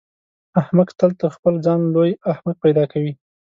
احمق تل تر خپل ځان لوی احمق پیدا کوي.